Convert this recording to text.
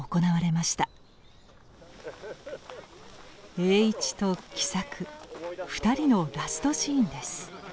栄一と喜作２人のラストシーンです。